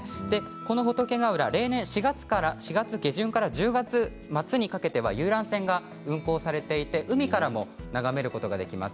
この仏ヶ浦は例年４月下旬から１０月末にかけては遊覧船が運航されていて海からも眺めることができます。